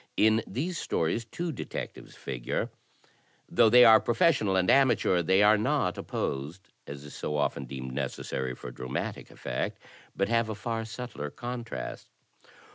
In these stories two detectives figure. Though they are professional and amateur, they are not opposed, as is so often deemed necessary for dramatic effect, but have a far subtler contrast.